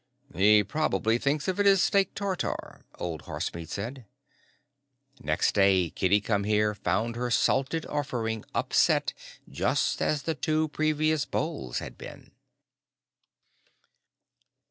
"He probably thinks of it as steak tartare," Old Horsemeat said. Next day Kitty Come Here found her salted offering upset just as the two previous bowls had been.